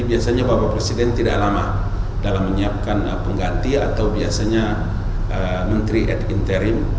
biasanya bapak presiden tidak lama dalam menyiapkan pengganti atau biasanya menteri at interim